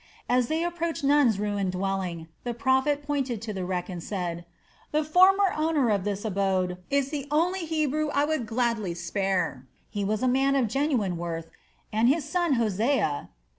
As they approached Nun's ruined dwelling, the prophet pointed to the wreck and said: "The former owner of this abode is the only Hebrew I would gladly spare. He was a man of genuine worth, and his son, Hosea...."